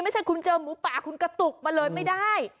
ไม่ใช่คุณเจอหมูป่าคุณกระตุกมาเลยไม่ได้